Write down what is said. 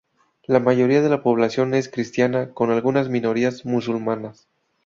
La mayoría de la población es cristiana con algunas minorías musulmanas.